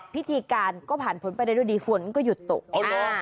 พิธีการก็ผ่านผลไปได้ด้วยดีฝนก็หยุดตก